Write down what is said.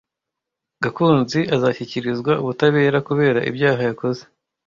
Gakunzi azashyikirizwa ubutabera kubera ibyaha yakoze.